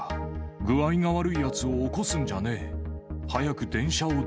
具合が悪いやつを起こすんじゃねえ。